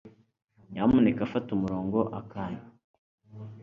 nyamuneka fata umurongo akanya